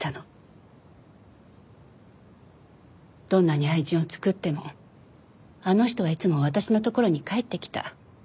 どんなに愛人を作ってもあの人はいつも私のところに帰ってきた。